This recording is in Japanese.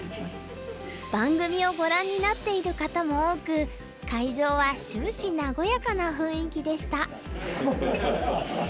番組をご覧になっている方も多く会場は終始和やかな雰囲気でした。